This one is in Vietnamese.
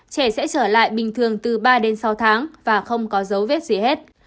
trẻ sẽ trở lại bình thường từ ba đến sáu tháng và không có dấu vết gì hết